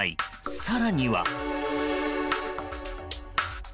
更には。